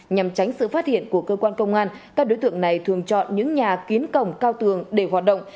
nhằm tránh sự phát hiện của cơ quan công an các đối tượng này thường chọn những nhà kiến cổng cao tường để hoạt động